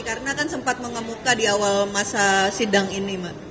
karena kan sempat mengemuka di awal masa sidang ini mbak